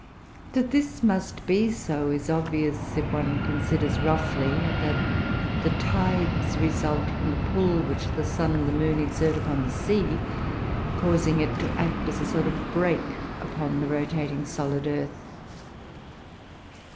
That this must be so is obvious, if one considers, roughly, that the tides result from the pull which the sun and the moon exert upon the sea, causing it to act as a sort of break upon the rotating solid earth.